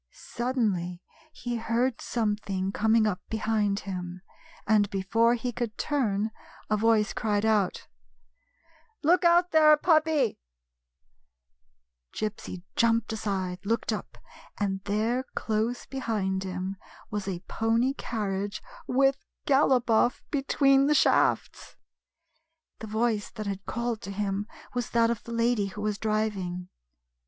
Suddenly he heard something coming up be hind him, and, before he could turn, a voice cried out: " Look out there, puppy !" Gypsy jumped aside, looked up, and there close behind him was a pony carriage, with Galopoff between the shafts ! The voice that had called to him was that of the lady who was driving.